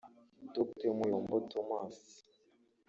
Dr Muyombo Thomas